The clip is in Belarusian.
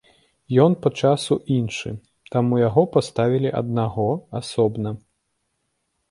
Ён па часу іншы, таму яго паставілі аднаго, асобна.